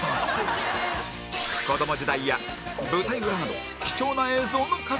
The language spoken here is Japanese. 子ども時代や舞台裏など貴重な映像の数々も